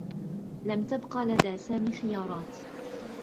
لم تبق لدى سامي خيارات.